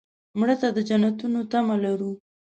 مړه ته د جنتونو تمه لرو